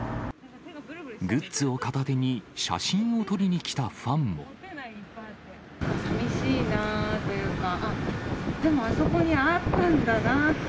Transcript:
グッズを片手に写真を撮りにさみしいなというか、でも、あそこにあったんだなって。